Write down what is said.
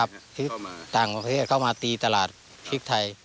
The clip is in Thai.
ครับพริกต่างประเทศเข้ามาตีตลาดพริกไทย